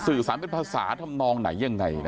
สารเป็นภาษาทำนองไหนยังไง